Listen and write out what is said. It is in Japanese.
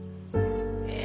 え？